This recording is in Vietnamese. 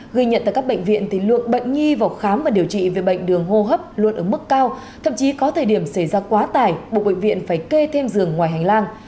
ghi nhận tại các bệnh viện thì lượng bệnh nhi vào khám và điều trị về bệnh đường hô hấp luôn ở mức cao thậm chí có thời điểm xảy ra quá tải buộc bệnh viện phải kê thêm giường ngoài hành lang